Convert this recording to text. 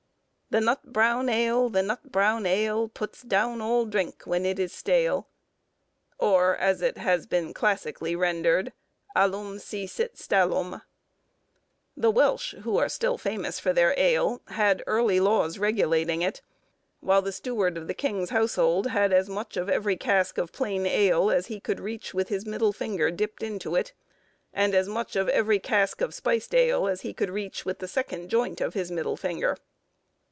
"The nut brown ale, the nut brown ale, Puts downe all drinke when it is stale," or, as it has been classically rendered, alum si sit stalum. The Welsh who are still famous for their ale, had early laws regulating it, while the steward of the king's household had as much of every cask of plain ale as he could reach with his middle finger dipped into it; and as much of every cask of spiced ale as he could reach with the second joint of his middle finger.